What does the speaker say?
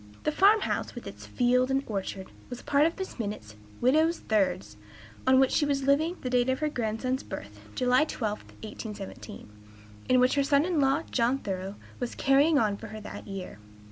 The farm house, with its fields and orchard, was a part of Mrs. Minott's "widow's thirds," on which she was living at the date of her grandson's birth (July 12, 1817), and which her son in law, John Thoreau, was "carrying on" for her that year.